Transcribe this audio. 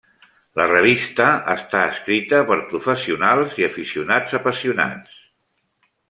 La revista està escrita per professionals i aficionats apassionats.